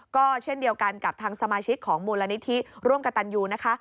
ก็เช่นเดียวกันกับทางสมาชิกของมูลนิธิร่วมกับตันยูนะคะ